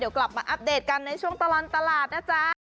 เดี๋ยวกลับมาอัปเดตกันในช่วงตลอดตลาดนะจ๊ะ